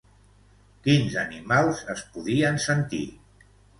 Quins animals es podien sentir?